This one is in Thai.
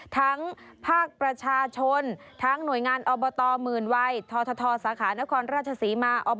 ทั้งภาคประชาชนทั้งหน่วยงานอมวทศนรศมา